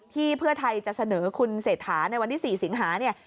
เพื่อไทยจะเสนอคุณเศรษฐาในวันที่๔สิงหาเนี่ย